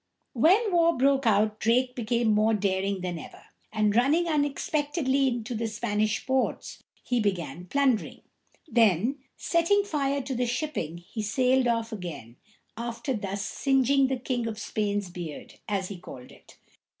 When war broke out Drake became more daring than ever, and running unexpectedly into the Spanish ports, he began plundering. Then, setting fire to the shipping, he sailed off again, after thus "singeing the King of Spain's beard," as he called it.